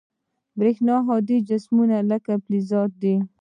د برېښنا هادي جسمونه لکه فلزات دي.